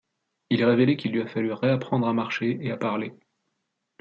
Il est révélé qu'il lui a fallu réapprendre à marcher et à parler.